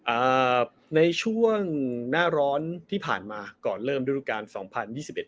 อ่าในช่วงหน้าร้อนที่ผ่านมาก่อนเริ่มฤดูการสองพันยี่สิบเอ็